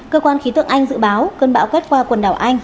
cơ quan khí tượng anh dự báo cơn bão quét qua quần đảo anh